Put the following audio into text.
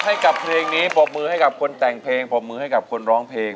ให้กับเพลงนี้ปรบมือให้กับคนแต่งเพลงปรบมือให้กับคนร้องเพลง